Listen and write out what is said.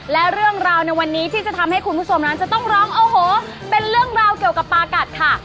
และเรื่องราวในวันนี้ที่จะทำให้คุณผู้ชมนั้นจะต้องร้องโอ้โหเป็นเรื่องราวเกี่ยวกับปากัดค่ะ